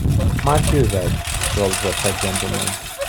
‘Much use that,’ growled the fat gentleman.